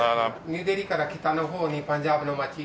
ニューデリーから北の方にパンジャーブの街。